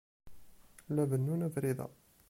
La bennun abrid-a.